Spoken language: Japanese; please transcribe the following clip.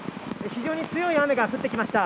非常に強い雨が降ってきました。